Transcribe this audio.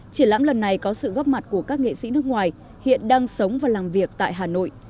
triển lãm lần này có sự góp mặt của các nghệ sĩ nước ngoài hiện đang sống và làm việc tại hà nội